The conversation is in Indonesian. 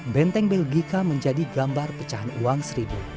benteng belgika menjadi gambar pecahan uang seribu